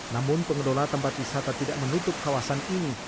namun pengelola tempat wisata tidak menutup kawasan ini